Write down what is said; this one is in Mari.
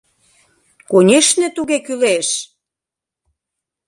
Конешне, туге кӱлеш!..